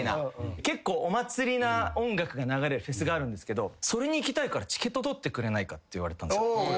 結構お祭りな音楽が流れるフェスがあるんですけどそれに行きたいから「チケット取ってくれないか」って言われたんですよ。